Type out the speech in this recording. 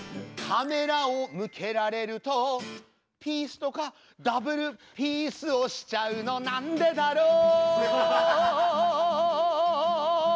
カメラを向けられるとピースとかダブルピースをしちゃうのなんでだろう。